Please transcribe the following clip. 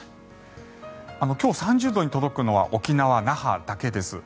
今日、３０度に届くのは沖縄・那覇だけです。